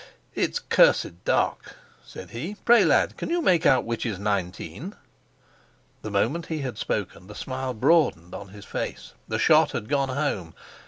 "It's cursed dark," said he. "Pray, lad, can you make out which is nineteen?" The moment he had spoken the smile broadened on his face. The shot had gone home.